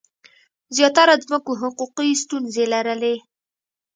زیاتره ځمکو حقوقي ستونزې لرلې.